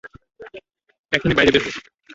এক্ষুণি বাইরে বের হ!